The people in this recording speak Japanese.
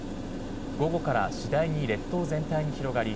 午後から次第に列島全体に広がり